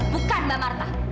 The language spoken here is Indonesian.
bukan mbak marta